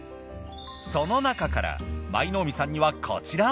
そのなかから舞の海さんにはこちらを。